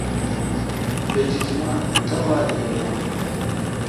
بہ جیجیما تہ بات یاں۔